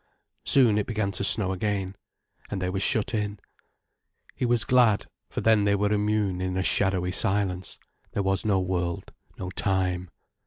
Soon, it began to snow again, and they were shut in. He was glad, for then they were immune in a shadowy silence, there was no world, no time.